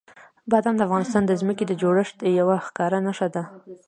بادام د افغانستان د ځمکې د جوړښت یوه ښکاره نښه ده.